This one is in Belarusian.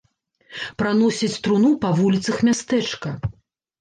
Праносяць труну па вуліцах мястэчка.